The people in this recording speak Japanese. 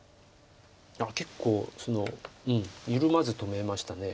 結構緩まず止めました。